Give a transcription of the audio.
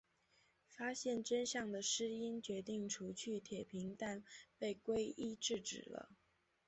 发现真相的诗音决定除去铁平但被圭一制止了。